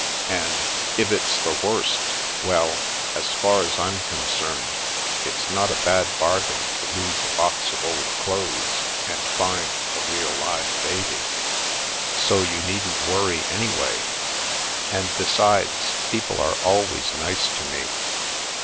And — if it's the worst — well, as far as I'm concerned, it's not a bad bargain to lose a box of old clothes and find a real live baby. So you needn't worry, anyway. And, besides, people are always nice to me."